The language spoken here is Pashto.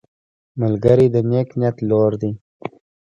ملګری د نیک نیت لور دی